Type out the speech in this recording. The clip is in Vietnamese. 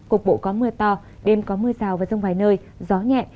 cục bộ có mưa to đêm có mưa rào và rông vài nơi gió nhẹ